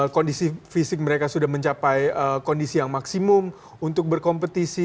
kondisi fisik mereka sudah mencapai kondisi yang maksimum untuk berkompetisi